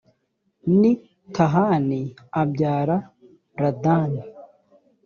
ni tahani abyara ladani